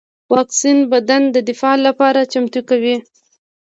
واکسین بدن د دفاع لپاره چمتو کوي